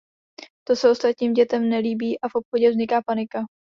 To se ostatním dětem nelíbí a v obchodě vzniká panika.